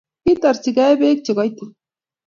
Kitarchigei beek chekoitit